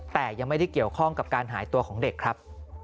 แต่ยังไม่ได้เกี่ยวข้องกับการหายตัวของเด็กครับ